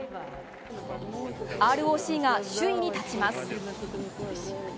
ＲＯＣが首位に立ちます。